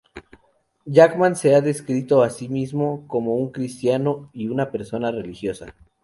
Jackman se ha descrito a sí mismo como un cristiano y una "persona religiosa".